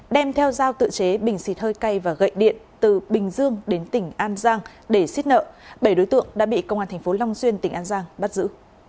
đem theo giao tự chế bình xịt hơi cay và gậy điện từ bình dương đến tỉnh an giang để xít nợ bảy đối tượng đã bị công an tp long duyên tỉnh an giang bắt giữ